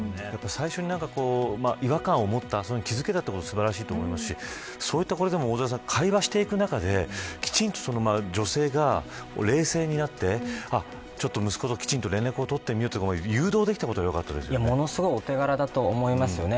最初に違和感を持ったそこに気付けたことが素晴らしいですし会話していく中できちんと女性が冷静になって息子と連絡を取ってみようと誘導できたことがものすごいお手柄だと思いますよね。